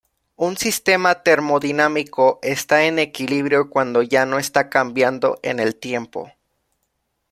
Un sistema termodinámico está en equilibrio cuando ya no está cambiando en el tiempo.